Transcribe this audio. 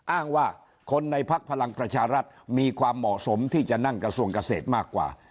อ้างว่าคนในพักพลังประชารัฐมีความเหมาะสมที่จะนั่งกระทรวงเกษตรมากกว่า